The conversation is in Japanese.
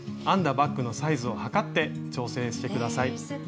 バッグのサイズを測って調整して下さい。